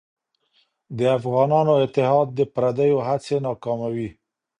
د افغانانو اتحاد د پرديو هڅې ناکاموي.